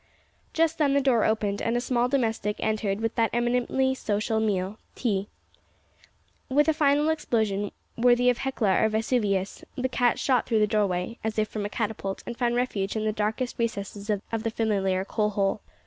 Just then the door opened, and a small domestic entered with that eminently sociable meal, tea. With a final explosion, worthy of Hecla or Vesuvius, the cat shot through the doorway, as if from a catapult, and found refuge in the darkest recesses of the familiar coal hole.